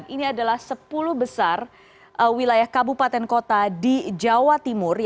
ini adalah sepuluh besar wilayah kabupaten kota di jawa timur